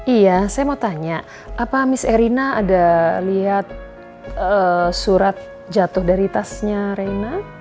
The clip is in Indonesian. iya saya mau tanya apa mis erina ada lihat surat jatuh dari tasnya reina